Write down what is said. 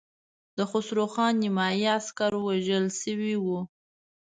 د خسرو خان نيمايي عسکر وژل شوي وو.